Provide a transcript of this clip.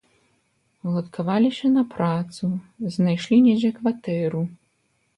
Уладкаваліся на працу, знайшлі недзе кватэру.